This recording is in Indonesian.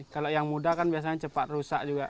kalau yang muda kan biasanya cepat rusak juga